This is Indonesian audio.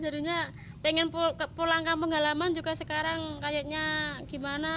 jadinya pengen pulang ke pengalaman juga sekarang kayaknya gimana